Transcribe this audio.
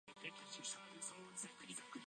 旅路がいい